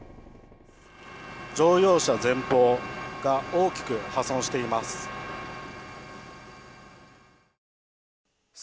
乗用車前方が大きく破損しています。